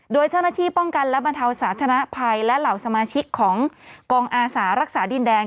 โดยเจ้าหน้าที่ป้องกันและบรรเทาสาธารณภัยและเหล่าสมาชิกของกองอาสารักษาดินแดง